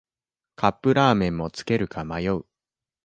カップラーメンもつけるか迷う